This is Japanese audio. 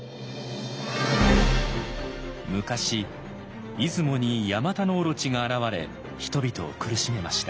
昔出雲にヤマタノオロチが現れ人々を苦しめました。